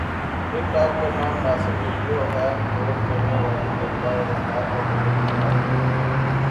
ٹک talk پر نامناسب video upload کرنے والی طالبہ اور استاد پر پابندی عائد